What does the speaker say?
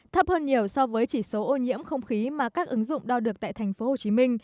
thấp hơn nhiều so với chỉ số ô nhiễm không khí mà các ứng dụng đo được tại tp hcm